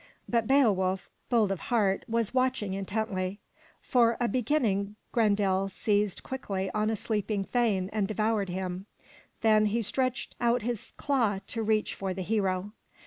But Beowulf, bold of heart, was watching intently. For a beginning Grendel seized quickly on a sleeping thane and devoured him, then he stretched out his claw to reach for the hero.